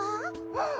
うん。